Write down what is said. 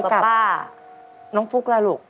ไปกับน้องฟุ๊กล่ะลูก